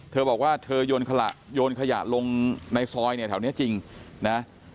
เธอบอกว่าเธอโยนขยะลงในซอยเนี่ยแถวนี้จริงนะ